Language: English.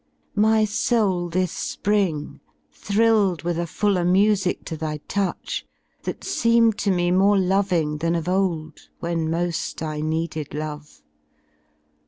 My soul this spring Thrilled with a fuller mmic to thy touch. That seemed to me more loving than of old. When moll I ?ieeded love.